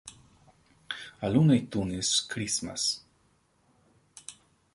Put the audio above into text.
A Looney Tunes Christmas.